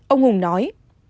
ông hùng nói